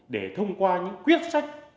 để thông qua những quyết sách